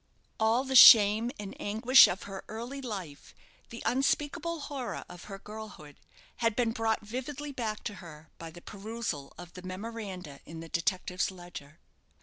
All the shame and anguish of her early life, the unspeakable horror of her girlhood, had been brought vividly back to her by the perusal of the memoranda in the detective's ledger.